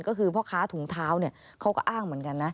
ก็คือพ่อค้าถุงเท้าเนี่ยเขาก็อ้างเหมือนกันนะ